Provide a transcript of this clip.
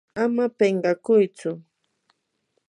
ama pinqakuytsu.